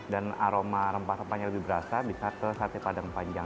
dan aroma rempah rempah rempah itu bisa makan sate padang pariaman